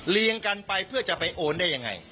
เลี่ยงกันไปเพื่อจะไปโอนได้อย่างไร